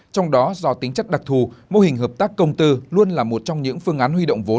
trong đó do tính chất đặc thù mô hình hợp tác công tư luôn là một trong những phương án huy động vốn